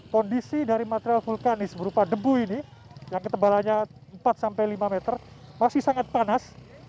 kondisi dari material vulkanis berupa debu ini yang ketebalannya empat sampai lima meter masih sangat panas